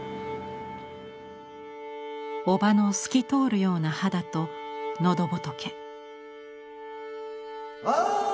おばの透き通るような肌と喉仏。